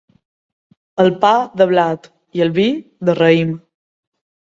El pa, de blat; i el vi, de raïm.